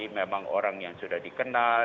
memang orang yang sudah dikenal